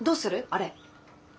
あれ。